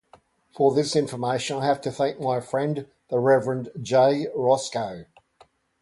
For this information I have to thank my friend the Rev. J. Roscoe.